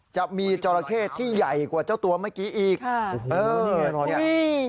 จะมีจรเขตที่ใหญ่กว่าเจ้าตัวเมื่อกี้อีกค่ะโอ้โหนี่นี่นี่นี่